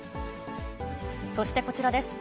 そしてこちらです。